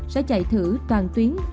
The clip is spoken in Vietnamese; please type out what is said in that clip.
sẽ chạy thử toàn tuyến